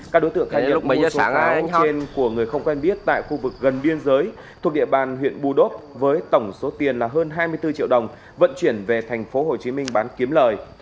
các đối tượng khai nhập mua số pháo trên của người không quen biết tại khu vực gần biên giới thuộc địa bàn huyện bù đốc với tổng số tiền là hơn hai mươi bốn triệu đồng vận chuyển về thành phố hồ chí minh bán kiếm lời